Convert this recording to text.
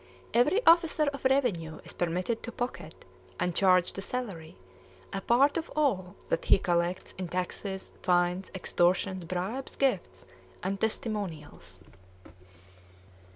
Every officer of revenue is permitted to pocket, and "charge to salary," a part of all that he collects in taxes, fines, extortions, bribes, gifts, and "testimonials."